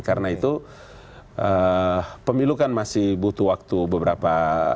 karena itu pemilu kan masih butuh waktu beberapa